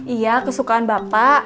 iya kesukaan bapak